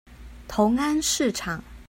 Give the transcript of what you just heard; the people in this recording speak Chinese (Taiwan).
同安市場